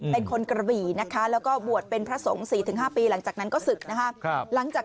เป็นคนกระบี่นะคะแล้วก็บวชเป็นพระสงฆ์๔๕ปีหลังจากนั้นก็ศึกนะคะ